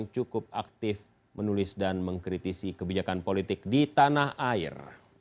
cukup aktif menulis dan mengkritisi kebijakan politik di tanah air